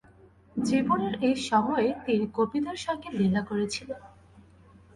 জীবনের এই সময়েই তিনি গোপীদের সঙ্গে লীলা করেছিলেন।